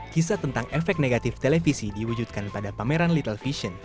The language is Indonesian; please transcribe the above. kisah tentang efek negatif televisi diwujudkan pada pameran little vision